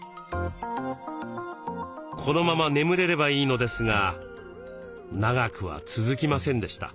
このまま眠れればいいのですが長くは続きませんでした。